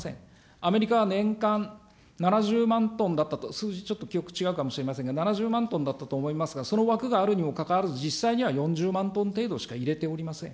アメリカは年間７０万トンだったと、数字ちょっと記憶違うかもしれませんが、７０万トンだったと思いますが、その枠があるにもかかわらず、実際には４０万トン程度しか入れておりません。